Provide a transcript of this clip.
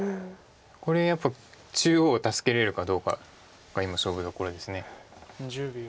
これやっぱり中央を助けれるかどうかが今勝負どころです。